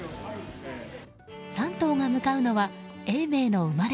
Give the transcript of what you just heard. ３頭が向かうのは永明の生まれ